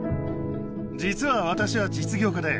実は私は実業家で。